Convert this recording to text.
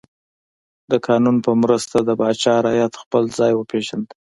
د قانون په مرسته د پاچا رعیت خپل ځای وپیژند.